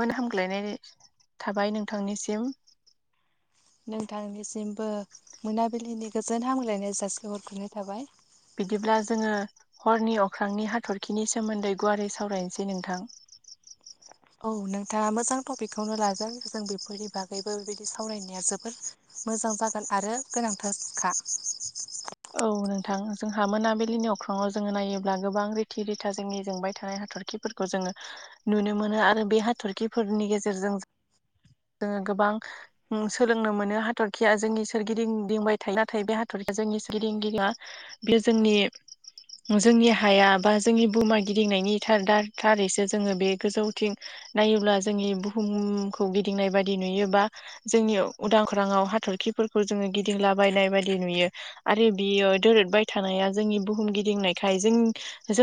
मोन हामग्लायनाय थाबाय नोंथांनिसिम। नोंथांनिसिमबो मोनाबिलिनि गोजोन हामलायनाय जासि हरग्रोनाय थाबाय। बिदिब्ला जोङो हरनि अख्रांनि हाथरखिनि सोमोन्दै गुवारै सावरायनोसै नोंथां। औ नोंथाङा मोजां टपिकखौनो लादों जों बेफोरनि बागैबो बेबायदि सावरायनाया जोबोर मोजां जागोन आरो गोनांथारखा। औ नोंथां जोंहा मोनाबिलिनि अख्राङाव जोङो नायोब्ला गोबां रिथि रिथा जोंनि जोंबाय थानाय हाथरखिफोर खौ जोङो नुनो मोनो आरो बे हाथर्खिफोरनि गेजेरजों जोङो गोबां उम सोलोंनो मोनो हाथर्खिया जोंनि सोरगिदिं गिदिंबाय थायो नाथाय बे हाथर्खिया जोंनि गिदिं गिया बेयो जोंनि जोंनि हाया बा जोंनि बुहुमा गिदिंनायनि थार दा थारैसो जोङो बे गोजौथिं नायोब्ला जोंनि बुहुमखौ गिदिंनाय बायदि नुयोबा जोंनि उदां अख्राङाव हाथर्खिफोरखौ जोङो गिदिंलाबायनाय बायदि नुयो। आरो बियो दोरदबाय थानाया जोंनि बुहुम गिदिंनायखाय जों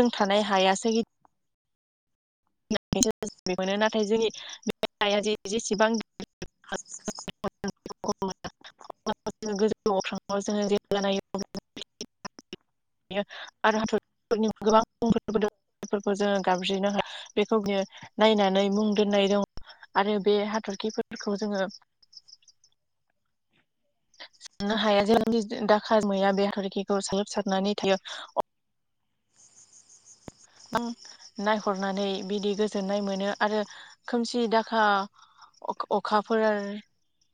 जों थानाय हायासो [unintelligible] [inaudible] [unintelligible] आरो हाथरफोरनि गोबांफोरखौ जोङो गाबज्रिनो [unintelligible] बेखौनो नायनानै मुं दोननाय दं आरो बे हाथरखिफोरखौ जोङो साननो हाया [unintelligible] दाखा जोमैया बे हाथरखिखौ स्लोबसारनानै थायो। नायहरनानै बिदि गोजोननाय मोनो आरो खोमसि दाखा अक अखाफोर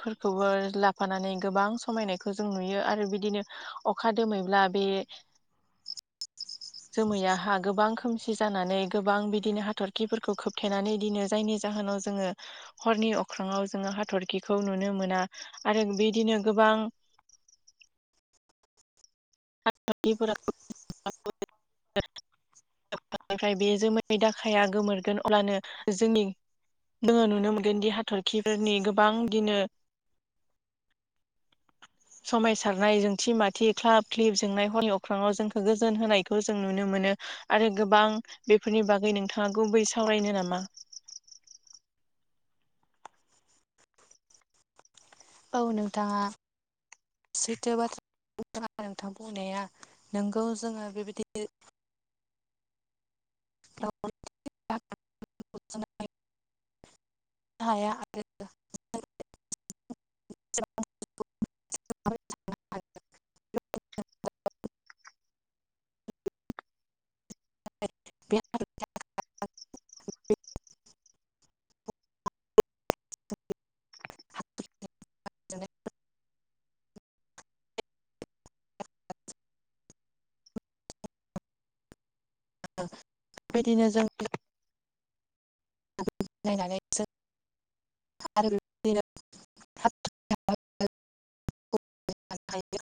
फोरखौबो लाफानानै गोबां समायनायखौ जों नुयो आरो बिदिनो अखा दोमैब्ला बे [inaudible] जोमैया हा गोबां खोमसि जानानै गोबां बिदिनो हाथर्खिफोरखौ खोबथेनानै इदिनो जायनि जाहोनाव जोङो हरनि अख्रङाव जोङो हाथर्खिखौ नुनो मोना आरो बिदिनो गोबां [unintelligible] निफ्राय बे जोमै दाखाया गोमोरगोन अब्लानो जोंनि जोङो नुनो मोनगोन दि हा हाथर्खिफोरनि गोबां इदिनो समाय सारनाय जोंथि माथि ख्लाब ख्लोब जोंनाय हरनि अख्राङाव जोंखौ गोजोन होनायखौ जों नुनो मोनो। आरो गोबां बेफोरनि बागै नोंथाङा गुबै सावरायनो नामा? औ नोंथाङा सैथो बाथ्रा [unintelligible] नोंथां बुंनाया नोंगौ जोङो बेबायदि [unintelligible] हाया आरो [unintelligible] [unintelligible] बेबायदिनो जोंनो नायनानै [unintelligible] हायो